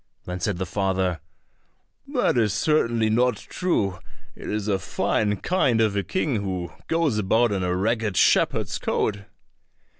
Then said the father, "That is certainly not true; it is a fine kind of a king who goes about in a ragged shepherd's coat."